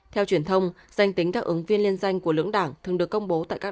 theo truyền thông danh tính các ứng viên liên danh của lưỡng đảng thường được công bố tại các